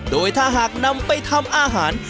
โดยถ้าหากนำไปทำอาหาร